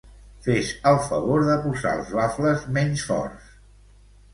Fes el favor de posar els bafles menys forts.